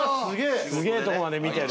すげえとこまで見てる。